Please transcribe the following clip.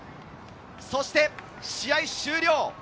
そして試合終了。